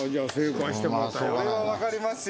これは分かりますよ